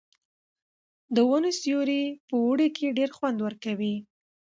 د ونو سیوری په اوړي کې ډېر خوند ورکوي.